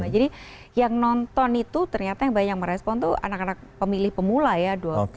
jadi yang nonton itu ternyata yang banyak merespon itu anak anak pemilih pemula ya